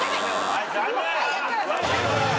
はい残念！